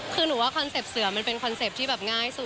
คือหนูว่าคอนเซ็ปตเสือมันเป็นคอนเซ็ปต์ที่แบบง่ายสุด